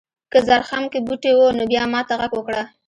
که زرخم کې بوټي و نو بیا ماته غږ وکړه.